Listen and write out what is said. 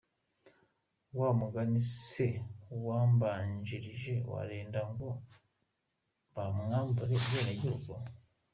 wamugani se wuwambanjirije murenda ngo bamwambure ubwenegihugu..